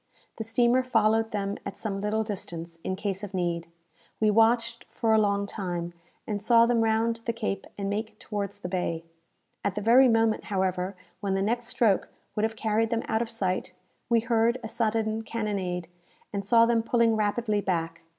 The steamer followed them at some little distance, in case of need. We watched for a long time, and saw them round the cape and make towards the bay. At the very moment, however, when the next stroke would have carried them out of sight, we heard a sudden cannonade, and saw them pulling rapidly back.